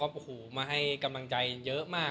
ขอบคุณมากสวัสดีครับ